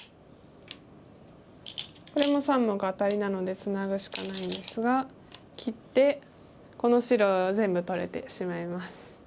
これも３目アタリなのでツナぐしかないんですが切ってこの白全部取れてしまいます。